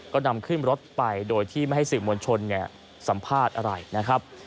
ก็นำขึ้นรถไปโดยที่ไม่ให้สื่อมวลชนสัมภาษณ์อะไรนะครับ